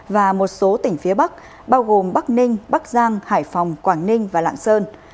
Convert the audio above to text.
và một số tỉnh phía bắc bao gồm bắc ninh bắc giang hải phòng quảng ninh và lạng sơn